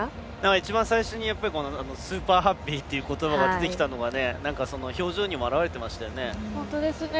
一番最初にスーパーハッピーということばが出てきたのが表情にも表れていましたよね。